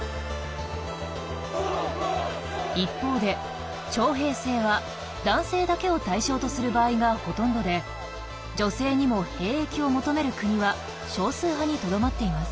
一方で徴兵制は男性だけを対象とする場合がほとんどで女性にも兵役を求める国は少数派にとどまっています。